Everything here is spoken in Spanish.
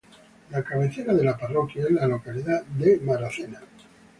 La cabecera de la parroquia es la localidad de San Agustín.